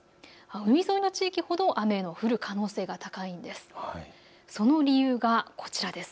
海沿いの地域ほど雨の降る可能性が高いんです。